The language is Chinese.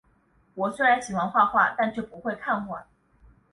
我虽然喜欢画画，但却不会看画